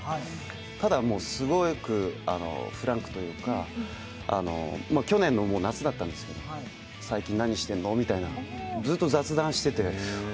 ただ、すごくフランクというか、去年の夏だったんですけど、最近何してるの？みたいなずっと雑談しててあれ？